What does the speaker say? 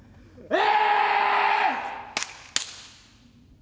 え？